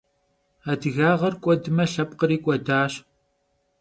Adıgağer k'uedme lhepkhri k'uedaş.